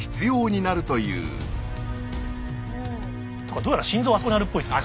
どうやら心臓はあそこにあるっぽいですね。